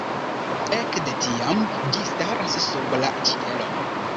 Ekde tiam ĝi staras sub la ĉielo.